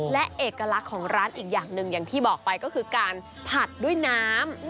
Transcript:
และเอกลักษณ์ของร้านอีกอย่างหนึ่งอย่างที่บอกไปก็คือการผัดด้วยน้ำ